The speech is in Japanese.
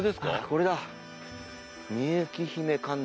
これだ。